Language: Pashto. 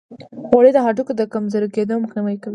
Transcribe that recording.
غوړې د هډوکو د کمزوري کیدو مخنیوي کوي.